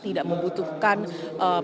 tidak membutuhkan penyelidikan